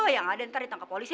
oh yang ada ntar ditangkap polisi